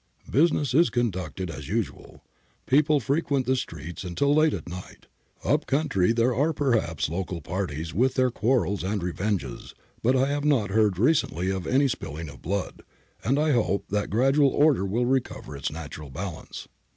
Business is conducted as usual. People frequent the streets until late at night. Up country there are perhaps local parties with their quarrels and revenges, but I have not heard recently of any spilling of blood, and I hope that gradually order will recover its natural balance.'